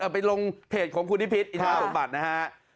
ไปลงเพจของคุณนิพิษอินทรสมบัตินะฮะ